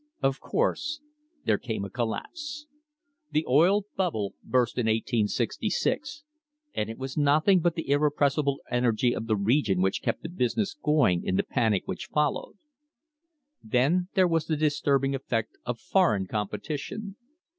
Of course there came a collapse. The "oil bubble" burst in 1866, and it was noth ing but the irrepressible energy of the region which kept the business going in the panic which followed. Then there was the disturbing effect of foreign competition.